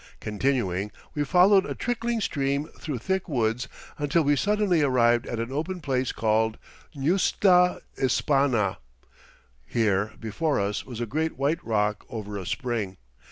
Continuing, we followed a trickling stream through thick woods until we suddenly arrived at an open place called ñusta Isppana. Here before us was a great white rock over a spring.